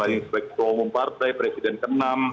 hal inspektor umum partai presiden ke enam